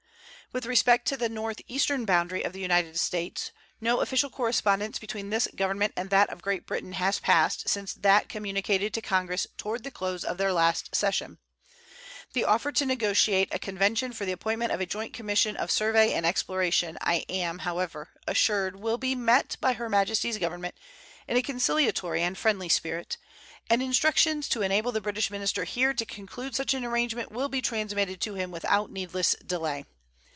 With respect to the northeastern boundary of the United States, no official correspondence between this Government and that of Great Britain has passed since that communicated to Congress toward the close of their last session. The offer to negotiate a convention for the appointment of a joint commission of survey and exploration I am, however, assured will be met by Her Majesty's Government in a conciliatory and friendly spirit, and instructions to enable the British minister here to conclude such an arrangement will be transmitted to him without needless delay.